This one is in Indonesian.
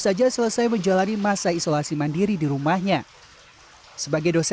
saya melihat di beberapa tempat itu masyarakat itu tidak peduli